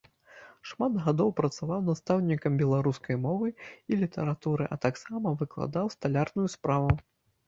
Шмат гадоў працаваў настаўнікам беларускай мовы і літаратуры, а таксама выкладаў сталярную справу.